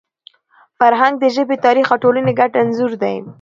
فرهنګ د ژبي، تاریخ او ټولني ګډ انځور دی.